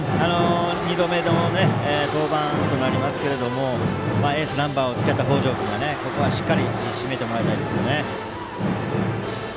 二度目の登板となりますがエースナンバーをつけた北條君がここはしっかり締めてもらいたいですね。